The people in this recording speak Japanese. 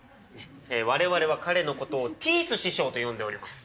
我々は彼のことをティース師匠と呼んでおります。